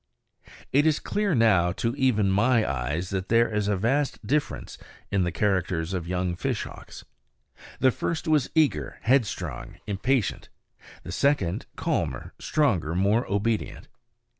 It is clear now to even my eyes that there is a vast difference in the characters of young fishhawks. The first was eager, headstrong, impatient; the second is calmer, stronger, more obedient.